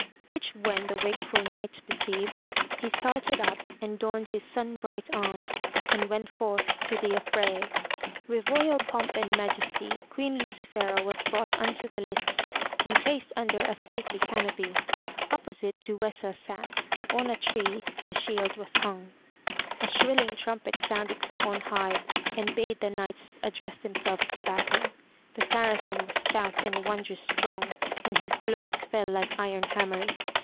Which when the wakeful Knight perceived, he started up and donned his sun bright arms and went forth to the affray. With royal pomp and majesty Queen Lucifer a was brought unto the lists and placed under a stately canopy. Opposite, Duessa sat, and on a tree the shield was hung. A shrilling trumpet sounded from on high and bade the knights address themselves to battle. The Saracen was stout and wondrous strong and his blows fell like iron hammers.